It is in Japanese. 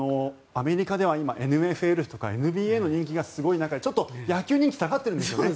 アメリカでは今、ＮＦＬとかＮＢＡの人気がすごい中で野球人気ちょっと下がってるんですよね。